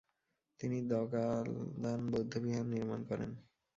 তিনি দ্গা'-ল্দান বৌদ্ধবিহার নির্মাণ করেন।